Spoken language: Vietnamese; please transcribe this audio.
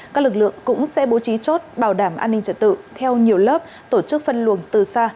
các lực lượng cũng sẽ bố trí chốt bảo đảm an ninh trật tự theo nhiều lớp tổ chức phân luồng từ xa